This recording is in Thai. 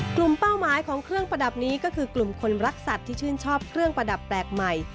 เป้าหมายของเครื่องประดับนี้ก็คือกลุ่มคนรักสัตว์ที่ชื่นชอบเครื่องประดับแปลกใหม่